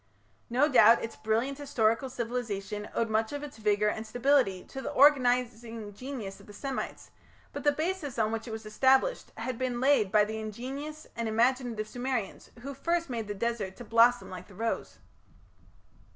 No doubt its brilliant historical civilization owed much of its vigour and stability to the organizing genius of the Semites, but the basis on which it was established had been laid by the ingenious and imaginative Sumerians who first made the desert to blossom like the rose.